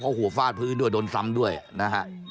เพราะหัวฟาดพื้นด้วยโดนซ้ำด้วยนะฮะ